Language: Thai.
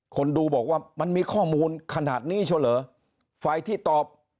คนดูบอกว่ามันมีข้อมูลขนาดนี้เช่าเหรอฝ่ายที่ตอบ